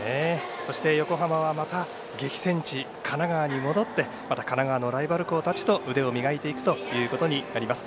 そして、横浜はまた激戦地・神奈川に戻ってまた神奈川のライバル校たちと腕を磨いていくことになります。